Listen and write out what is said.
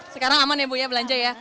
sekarang aman ya bu ya belanja ya